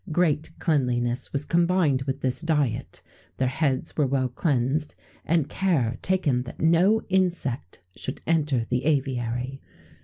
Great cleanliness was combined with this diet: their heads were well cleansed, and care taken that no insect should enter the aviary.